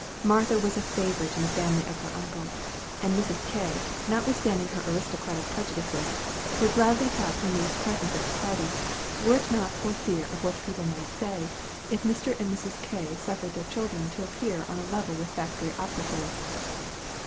Martha was a favorite in the family of her uncle; and Mrs. K., notwithstanding her aristocratic prejudices, would gladly have her niece present at the party, were it not for fear of what people might say, if Mr. and Mrs. K. suffered their children to appear on a level with factory operatives.